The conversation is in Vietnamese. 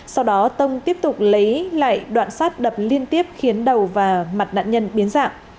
sau đó tông tiếp tục lấy lại đoạn sát đập liên tiếp khiến đầu và mặt nạn nhân biến dạng